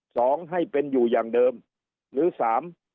สองให้เป็นอยู่อย่างเดิมหรือสาม